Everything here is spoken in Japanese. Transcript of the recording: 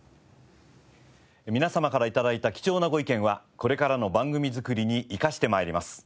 皆様から頂いた貴重なご意見はこれからの番組作りに生かして参ります。